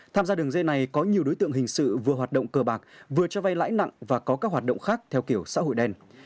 tham gia đường dây này có nhiều đối tượng hình sự vừa hoạt động cờ bạc vừa cho vay lãi nặng và có các hoạt động khác theo kiểu xã hội đen